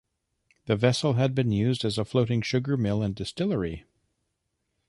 The vessel had been used as a floating sugar mill and distillery.